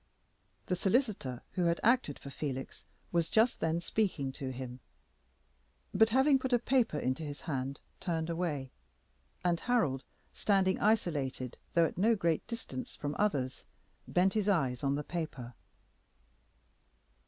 The solicitor who had acted for Felix was just then speaking to him, but having put a paper into his hand turned away; and Harold, standing isolated, though at no great distance from others, bent his eyes on the paper.